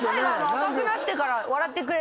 赤くなってから笑ってくれたもんね？